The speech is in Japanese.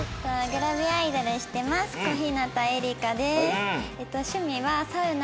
グラビアアイドルしてます小日向恵里香です。